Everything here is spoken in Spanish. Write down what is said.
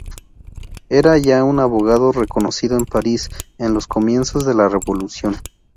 Era ya un abogado reconocido en París en los comienzos de la Revolución.